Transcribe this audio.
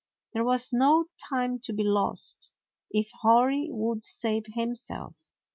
There was no time to be lost if Hori would save himself.